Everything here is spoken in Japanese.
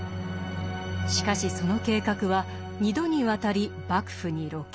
しかしその計画は二度にわたり幕府に露見。